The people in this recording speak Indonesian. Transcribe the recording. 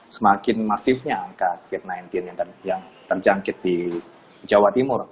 semakin masifnya angka covid sembilan belas yang terjangkit di jawa timur